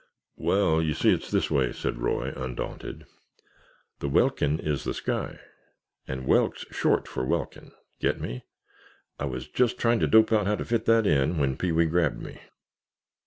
"Well, you see it's this way," said Roy, undaunted. "The welkin is the sky, and welk's short for welkin. Get me? I was just trying to dope out how to fit that in when Pee wee grabbed me."